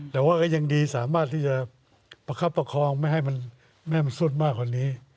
แต่ว่าก็ยังดีสามารถที่จะประคับประคองไม่ให้มันสุดมากกว่านี้